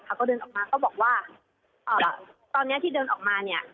เขาก็เดินออกมาก็บอกว่าตอนนี้ที่เดินออกมาเนี่ย